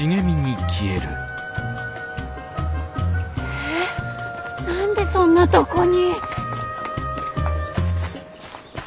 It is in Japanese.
え何でそんなとこに。